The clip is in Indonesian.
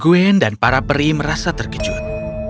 gwen dan para peri merasa terkejut